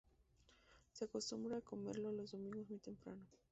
Se acostumbra comerlo los domingos muy temprano.